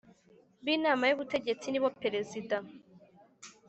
b Inama y Ubutegetsi nibo Perezida